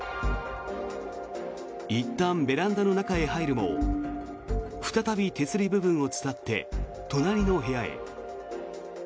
いったんベランダの中へ入るも再び手すり部分を伝って隣の部屋へ。